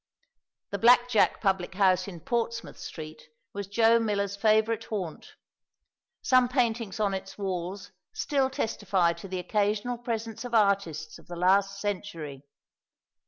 The Black Jack public house in Portsmouth Street was Joe Miller's favourite haunt. Some paintings on its walls still testify to the occasional presence of artists of the last century.